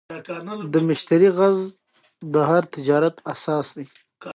د مشتری غږ د هر تجارت اساس دی.